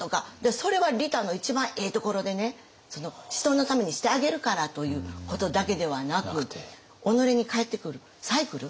それは利他の一番ええところでね人のためにしてあげるからということだけではなく己に返ってくるサイクル。